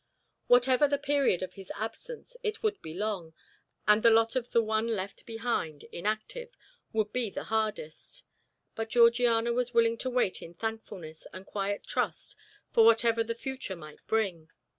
Whatever the period of his absence, it would be long, and the lot of the one left behind, inactive, would be the hardest; but Georgiana was willing to wait in thankfulness and quiet trust for whatever the future might bring.